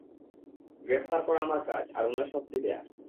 গ্রেপ্তার করা আমার কাজ, আর উনার শাস্তি দেওয়া।